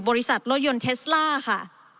บริษัทรถยนต์เทสล่าค่ะ